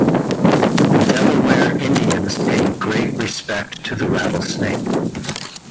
The Delaware Indians paid great respect to the rattlesnake.